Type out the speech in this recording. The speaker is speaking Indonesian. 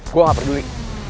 gue gak peduli